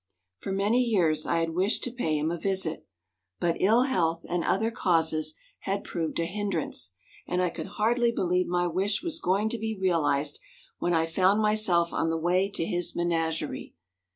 For many long years I had wished to pay him a visit, but ill health and other causes had proved a hindrance and I could hardly believe my wish was going to be realized when I found myself on the way to his menagerie.